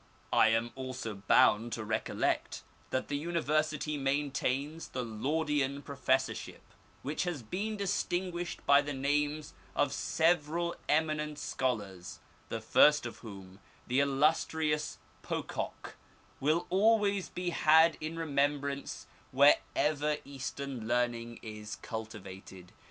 I am also bound to recollect that the University maintains the Laudian Professorship, which has been distinguished by the names of several eminent scholars, the first of wliom, the illustrious Pocock, will always be had in remembrance wherever Easternt B z 4 The Arabic Language. learning is cultivated.